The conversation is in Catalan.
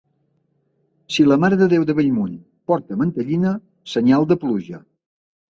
Si la Mare de Déu de Bellmunt porta mantellina, senyal de pluja.